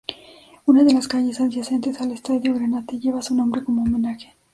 Una de las calles adyacentes al estadio "Granate" lleva su nombre como homenaje.